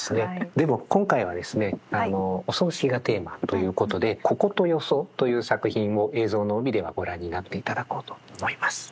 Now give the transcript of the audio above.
でも今回はですねお葬式がテーマということで「こことよそ」という作品を「映像の帯」ではご覧になっていただこうと思います。